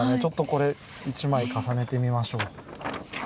これ一枚重ねてみましょう。